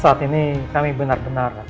saat ini kami benar benar